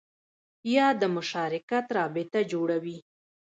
یا د مشارکت رابطه جوړوي